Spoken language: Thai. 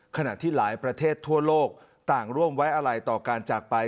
ขณะที่หลายประเทศทั่วโลกต่างร่วมไว้อะไรต่อการจากไป